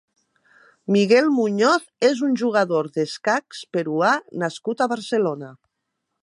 Miguel Muñoz és un jugador d'escacs peruà nascut a Barcelona.